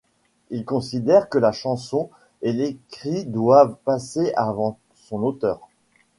Il considère que la chanson et l'écrit doivent passer avant son auteur.